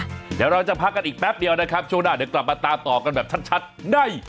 เดี๋ยวเราจะพักกันอีกแป๊บเดียวนะครับช่วงหน้าเดี๋ยวกลับมาตามต่อกันแบบชัดได้